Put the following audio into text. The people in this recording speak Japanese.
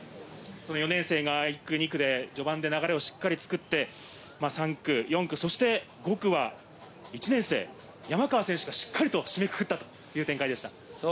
４年生が１区、２区で序盤で流れをしっかり作って、３区、４区、そして５区は１年生・山川選手がしっかりと締めくくったという展開でした。